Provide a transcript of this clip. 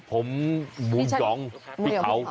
ผมมุมยองพี่เขา